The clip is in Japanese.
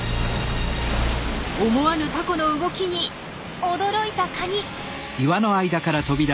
思わぬタコの動きに驚いたカニ。